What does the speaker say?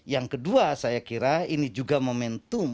yang kedua saya kira ini juga momentum